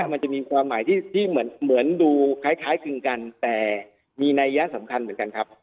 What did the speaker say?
มันจะมีความหมายที่เหมือนดูคล้ายคลึงกันแต่มีนัยยะสำคัญเหมือนกันครับ